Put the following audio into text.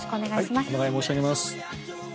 お願い申し上げます。